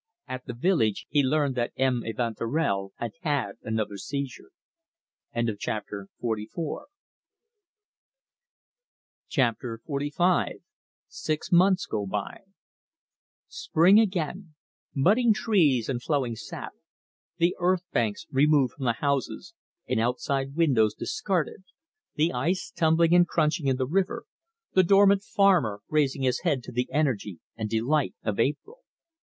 At the village he learned that M. Evanturel had had another seizure. CHAPTER XLV. SIX MONTHS GO BY Spring again budding trees and flowing sap; the earth banks removed from the houses, and outside windows discarded; the ice tumbling and crunching in the river; the dormant farmer raising his head to the energy and delight of April.